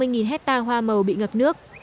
gần một trăm năm mươi hecta hoa màu bị ngập nước